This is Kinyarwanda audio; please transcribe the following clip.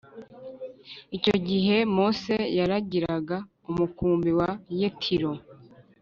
Icyo gihe mose yaragiraga umukumbi wa yetiro